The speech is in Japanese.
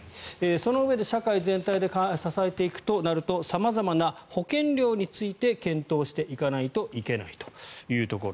そのうえで社会全体で支えていくとなると様々な保険料について検討していかないといけないというところ。